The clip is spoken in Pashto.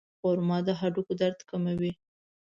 خرما د هډوکو درد کموي.